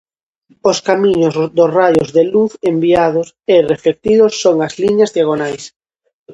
Os camiños dos raios de luz enviados e reflectidos son as liñas diagonais.